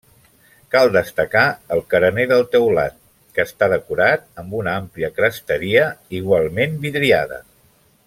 Cal destacar el carener del teulat que està decorat amb una àmplia cresteria, igualment vidriada.